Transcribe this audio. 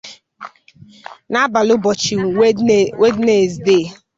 n'abalị ụbọchị Wednezdee.